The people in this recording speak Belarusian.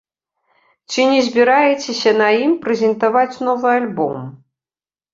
Ці не збіраецеся на ім прэзентаваць новы альбом?